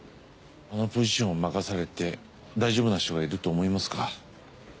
あのポジションを任されて大丈夫な人がいると思いますか？